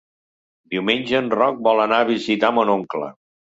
Diumenge en Roc vol anar a visitar mon oncle.